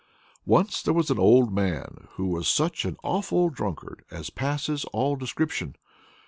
Once there was an old man who was such an awful drunkard as passes all description.